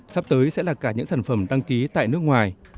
sắp tới sẽ là cả những sản phẩm đăng ký tại nước ngoài